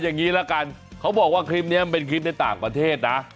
อย่างนี้ละกันเขาบอกว่าคลิปนี้มันเป็นคลิปในต่างประเทศนะ